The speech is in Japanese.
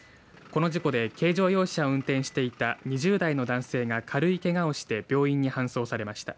この事故で軽乗用車を運転していた２０代の男性が軽いけがをして病院に搬送されました。